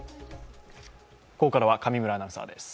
ここからは上村アナウンサーです。